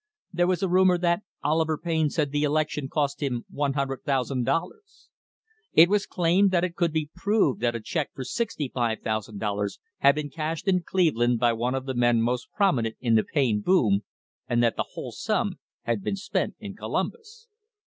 There was a rumour that Oliver Payne said the election cost him $100,000. It was claimed that it could be proved that a check for $65,000 had been cashed in Cleve land by one of the men most prominent in the Payne boom, and that the whole sum had been spent in Columbus.